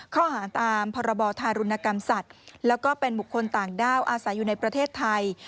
ข้อหาตามพรบธารุณกรรมสัตว์แล้วก็เป็นบุคคลต่างด้าวอาศัยอยู่ในประเทศไทย